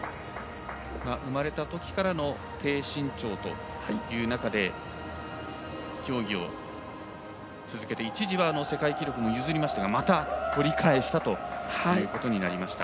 生まれたときからの低身長という中で競技を続けて一時は世界記録も譲りましたがまた取り返したということになりました。